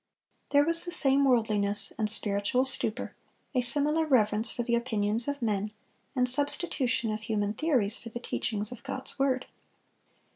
There was the same worldliness and spiritual stupor, a similar reverence for the opinions of men, and substitution of human theories for the teachings of God's word.